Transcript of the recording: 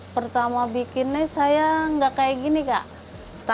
pertama bikinnya saya nggak kayak gini kak tarik ke atas